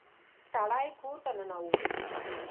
سړی کور ته ننوت.